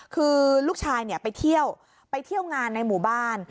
คือลูกชายไปเที่ยวงานในหมู่บ้าน